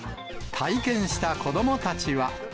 体験した子どもたちは。